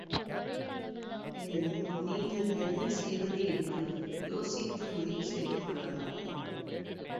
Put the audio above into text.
பின் நீங்கள் என்ன செய்வது என்று யோசித்து முடிவு செய்து கொள்ளலாம்.